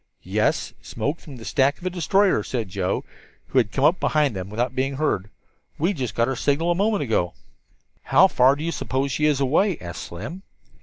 "Yes, smoke from the stack of the destroyer," said Joe, who had come up behind them without being heard. "We just got her signal a moment ago." "How far do you suppose she is away?" asked Slim.